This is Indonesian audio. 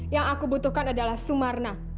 yang aku butuhkan adalah sumarna